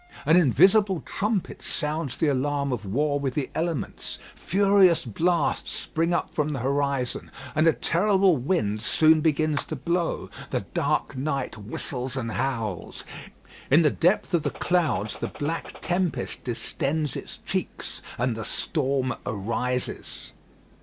An invisible trumpet sounds the alarm of war with the elements, furious blasts spring up from the horizon, and a terrible wind soon begins to blow. The dark night whistles and howls. In the depth of the clouds the black tempest distends its cheeks, and the storm arises.